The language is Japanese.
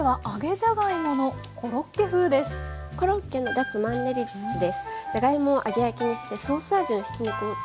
じゃがいもを揚げ焼きにしてソース味のひき肉を作るだけ。